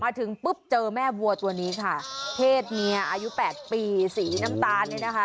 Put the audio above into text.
ถึงปุ๊บเจอแม่วัวตัวนี้ค่ะเพศเมียอายุ๘ปีสีน้ำตาลเนี่ยนะคะ